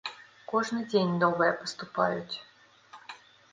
Кожны дзень новыя паступаюць.